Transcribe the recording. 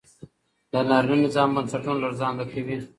د نارينه نظام بنسټونه لړزانده کوي